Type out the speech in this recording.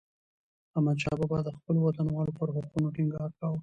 احمدشاه بابا د خپلو وطنوالو پر حقونو ټينګار کاوه.